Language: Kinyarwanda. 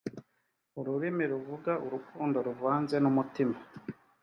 ururimi ruvuga urukundo ruvanze n umutima